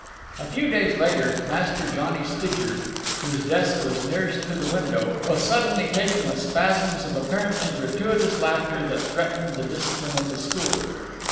A few days later, Master Johnny Stidger, whose desk was nearest to the window, was suddenly taken with spasms of apparently gratuitous laughter that threatened the discipline of the school.